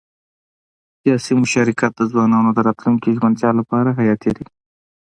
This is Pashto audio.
سیاسي مشارکت د ځوانانو د راتلونکي ژمنتیا لپاره حیاتي دی